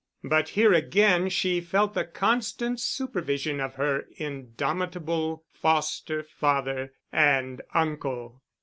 But here again she felt the constant supervision of her indomitable foster father and uncle.